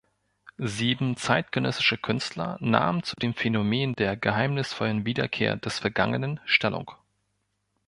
Sieben zeitgenössische Künstler nahmen zu dem Phänomen der geheimnisvollen Wiederkehr des Vergangenen Stellung.